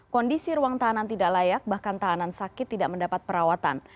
kondisi ruang tahanan tidak layak bahkan tahanan sakit tidak mendapat perawatan